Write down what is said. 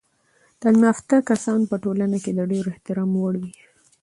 تعلیم یافته کسان په ټولنه کې د ډیر احترام وړ وي.